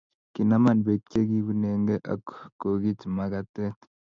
kinaman beek chekiunengei ak kokich makatee